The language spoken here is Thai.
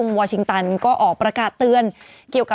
มีสารตั้งต้นเนี่ยคือยาเคเนี่ยใช่ไหมคะ